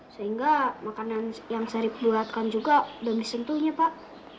sehingga makanan yang sarip buatkan juga udah disentuhnya pak